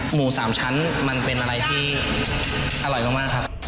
หมูสามชั้นมันเป็นอะไรที่อร่อยมากครับ